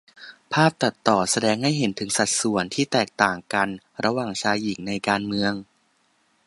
ภาพตัดต่อ แสดงให้เห็นถึงสัดส่วนที่แตกต่างกันระหว่างชายหญิงในการเมือง